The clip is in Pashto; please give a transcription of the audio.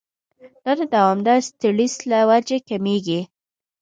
دا د دوامداره سټرېس له وجې کميږي